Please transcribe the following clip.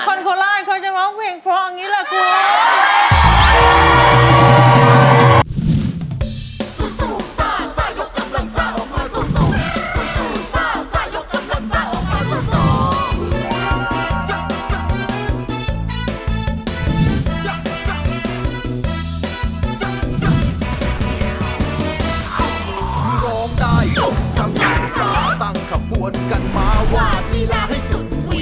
แม่คนโคราชเค้าจะร้องเพลงพลองนี้ล่ะคุณ